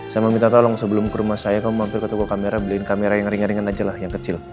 saya meminta tolong sebelum ke rumah saya kamu mampir ke toko kamera beliin kamera yang ringan ringan aja lah yang kecil